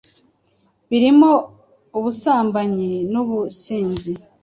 birimo ubusambanyi n’ubusinzi